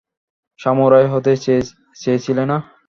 Samurai হতে চেয়েছিলে না?